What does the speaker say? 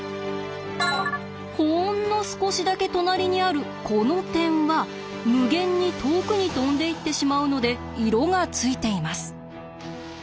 ほんの少しだけ隣にあるこの点は無限に遠くに飛んでいってしまうので色がついています。